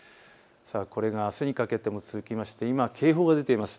これがあすにかけても続きまして警報が出ています。